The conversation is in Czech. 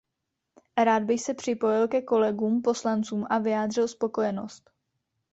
Rád bych se připojil ke kolegům poslancům a vyjádřil spokojenost.